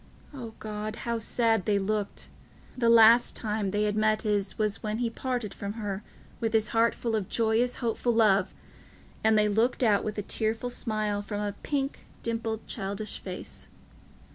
O God, how sad they looked! The last time they had met his was when he parted from her with his heart full of joyous hopeful love, and they looked out with a tearful smile from a pink, dimpled, childish face.